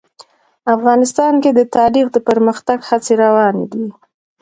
افغانستان کې د تاریخ د پرمختګ هڅې روانې دي.